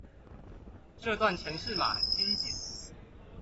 這段程式碼很精簡